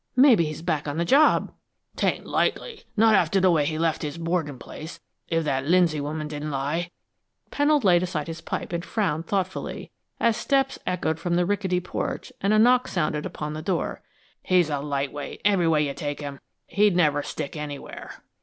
Maybe he's back on the job." "'Tain't likely, not after the way he left his boarding place, if that Lindsay woman didn't lie." Pennold laid aside his pipe and frowned thoughtfully, as steps echoed from the rickety porch and a knock sounded upon the door. "He's a lightweight, every way you take him he'd never stick anywhere."